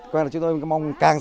qua là chúng tôi mong càng sẵn